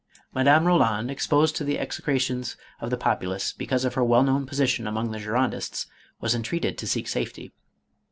4 Madame Eoland, exposed to the execrations of the populace because of her well known position among the Girondists, was entreated to seek safety.